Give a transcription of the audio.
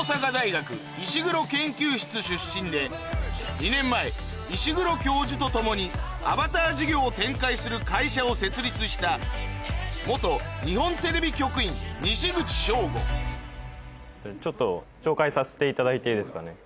２年前石黒教授と共にアバター事業を展開する会社を設立した日本テレビ局員ちょっと紹介させていただいていいですかね？